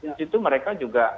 di situ mereka juga